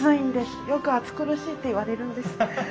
よく暑苦しいって言われるんです。